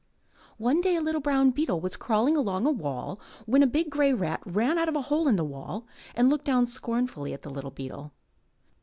One day a little brown beetle was crawling along a wall when a big grey rat ran out of a hole in the wall and looked down scornfully at the little beetle.